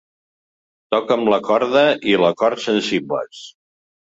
«Toca'm la corda i l'acord sensibles.